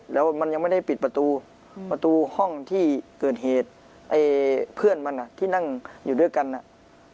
แล้วมันยังไม่ได้ปิดประตูประตูห้องที่เกิดเหตุไอ้เพื่อนมันอ่ะที่นั่งอยู่ด้วยกันอ่ะ